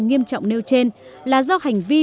nghiêm trọng nêu trên là do hành vi